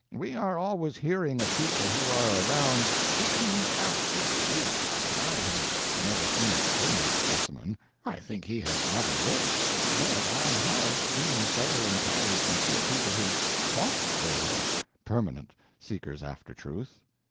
We are always hearing of people who are around seeking after truth. I have never seen a (permanent) specimen. I think he had never lived. But I have seen several entirely sincere people who _thought _they were (permanent) Seekers after Truth.